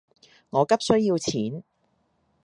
我急需要錢